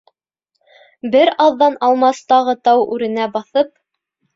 Бер аҙҙан Алмас тағы тау үренә баҫып: